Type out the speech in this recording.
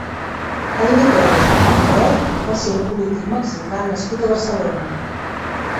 Jaime Torres Bodet va ser un polític mexicà nascut a Barcelona.